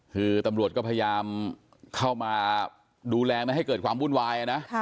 คือตำรวจก็พยายามเข้ามาดูแลไม่ให้เกิดความวุ่นวายนะ